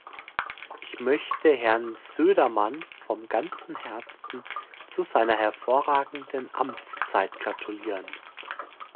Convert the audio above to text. Ich möchte Herrn Söderman von ganzem Herzen zu seiner hervorragenden Amtszeit gratulieren.